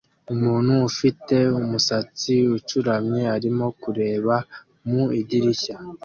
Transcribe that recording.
Umuntu ufite umusatsi ucuramye arimo kureba mu idirishya